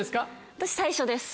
私最初です。